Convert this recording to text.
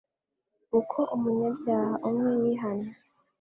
uko umunyabyaha umwe yihannye.